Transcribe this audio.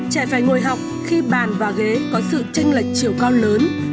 trẻ phải ngồi học khi bàn và ghế có sự tranh lệch chiều cao lớn